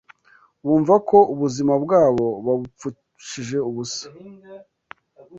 Bumva ko ubuzima bwabo babupfushije ubusa